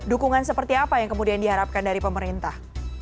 dukungan seperti apa yang kemudian diharapkan dari pemerintah